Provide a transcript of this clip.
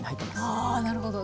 あなるほど。